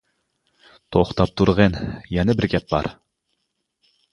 -توختاپ تۇرغىن يەنە بىر گەپ بار!